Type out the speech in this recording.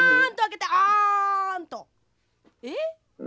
えっ？